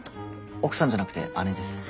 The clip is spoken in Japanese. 奥さんじゃなくて姉です。